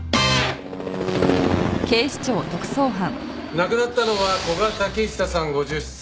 亡くなったのは古賀武久さん５０歳。